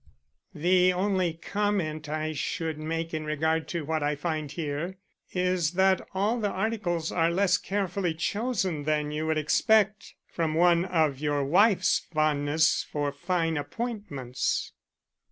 "The only comment I should make in regard to what I find here is that all the articles are less carefully chosen than you would expect from one of your wife's fondness for fine appointments."